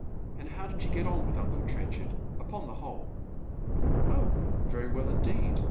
" And how did you get on with uncle Trenchard, upon the whole ?"" Oh, very well indeed.